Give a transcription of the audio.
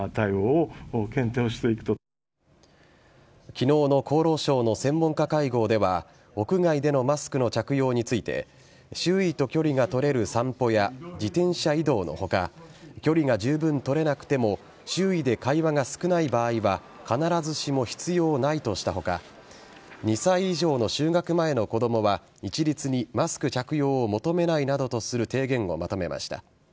昨日の厚労省の専門家会合では屋外でのマスクの着用について周囲と距離が取れる散歩や自転車移動の他距離がじゅうぶん取れなくても周囲で会話が少ない場合は必ずしも必要ないとした他２歳以上の就学前の子供は一律にマスク着用を求めないなどとする提言をまとめました。